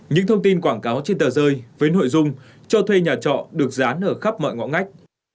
những thông tin quảng cáo trên tờ rơi với nội dung cho thuê nhà trọ được dán ở khắp mọi ngõ ngách